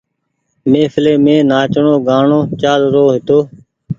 مهڦلي مين نآچڻو گآڻو چآل رو هيتو۔